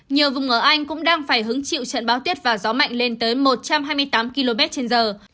nhiều vùng ở anh cũng đang phải hứng chịu trận bão tuyết và gió mạnh lên tới một trăm hai mươi tám km trên giờ